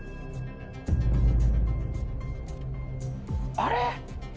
あれ？